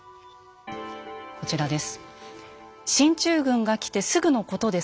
こちらです。